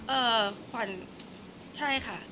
เอ่อขวัญใช่ค่ะ